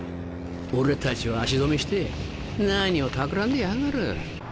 俺たちを足止めして何を企んでやがる？